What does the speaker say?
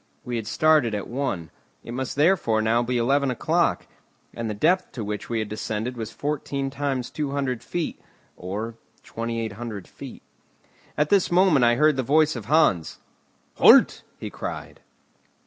We had started at one, it must therefore now be eleven o'clock; and the depth to which we had descended was fourteen times 200 feet, or 2,800 feet. At this moment I heard the voice of Hans. "Halt!" he cried.